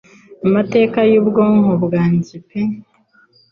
Amateka yubwonko bwanjye pe